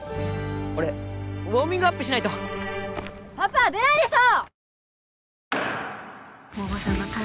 俺ウォーミングアップしないとパパは出ないでしょ！